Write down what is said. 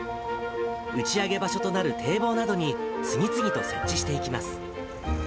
打ち上げ場所となる堤防などに、次々と設置していきます。